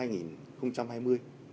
đến năm hai nghìn hai mươi